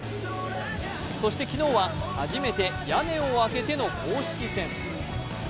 そして昨日は、初めて屋根を開けての公式戦。